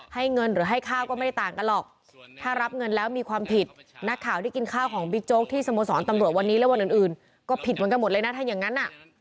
ให้เงินหรือให้ข้าวก็ไม่ได้ต่างกันหรอกถ้ารับเงินแล้วมีความผิดนักข่าวที่กินข้าวของบิ๊กโจ๊กที่สโมสรตำรวจวันนี้และวันอื่นก็ผิดเหมือนกันหมดเลยนะถ้าอย่างนั้น